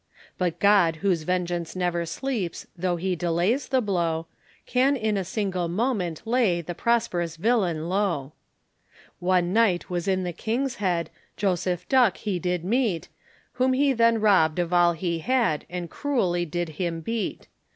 But God whose vengeance never sleeps, Though he delays the blow, Can in a single moment lay The prosperous villain low. One night was in the King's Head, Joseph Duck he did meet, Whom he then robbed of all he had, And cruelly did him beat.